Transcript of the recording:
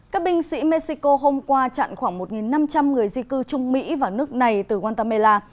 các binh sĩ mexico hôm qua chặn khoảng một năm trăm linh người di cư trung mỹ vào nước này từ guatemala